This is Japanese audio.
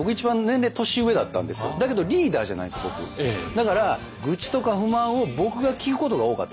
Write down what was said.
だから愚痴とか不満を僕が聞くことが多かったんですね。